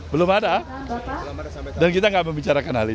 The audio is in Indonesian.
belum ada dan kita nggak membicarakan hal ini